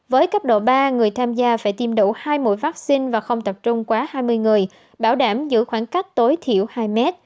với cấp độ ba người tham gia phải tiêm đủ hai mũi phát sinh và không tập trung quá hai mươi người bảo đảm giữ khoảng cách tối thiểu hai mét